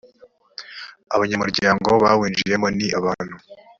abanyamuryango bawinjiyemo ni abantu